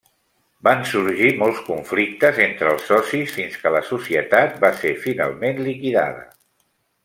Van sorgir molts conflictes entre els socis fins que la societat va ser finalment liquidada.